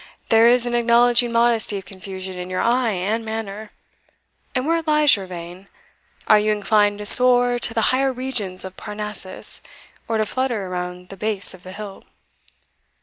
there is an acknowledging modesty of confusion in your eye and manner. And where lies your vein? are you inclined to soar to the higher regions of Parnassus, or to flutter around the base of the hill?"